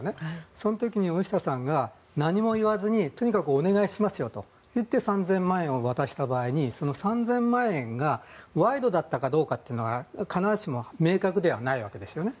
その時に大下さんが何も言わずにとにかくお願いしますよと言って３０００万円を渡した場合にその３０００万円が賄賂だったかどうかというのは必ずしも明確ではないわけですよね。